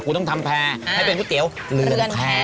กูต้องทำแพ้ให้เป็นก๋วยเตี๋ยวเรือนแพ้